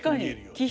確かに。